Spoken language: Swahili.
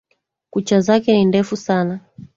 Kucha zake ni ndefu Sana.